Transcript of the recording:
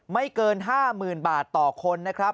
ไม่เกิน๕๐๐๐บาทต่อคนนะครับ